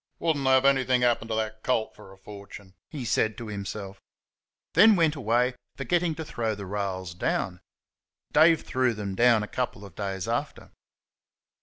"Would n't have anything happen to that colt for a fortune!" he said to himself. Then went away, forgetting to throw the rails down. Dave threw them down a couple of days after.